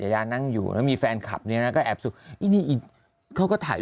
ยานั่งอยู่แล้วมีแฟนคลับเนี่ยนะก็แอบสุกอีนี่อีเขาก็ถ่าย